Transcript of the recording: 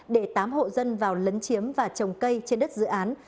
để tám hộ dân vào lấn chiếm và trồng cây trên đất dự án